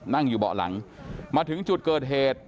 นั่งอยู่เบาะหลังมาถึงจุดเกิดเหตุ